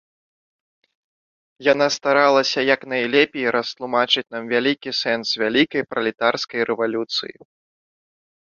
Яна старалася як найлепей растлумачыць нам вялікі сэнс вялікай пралетарскай рэвалюцыі.